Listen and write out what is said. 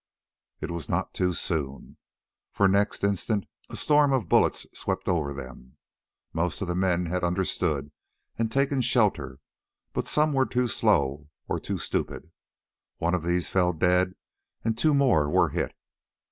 It was not too soon, for next instant a storm of bullets swept over them. Most of the men had understood and taken shelter, but some were too slow or too stupid. Of these one fell dead and two more were hit.